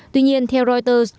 tuy nhiên theo reuters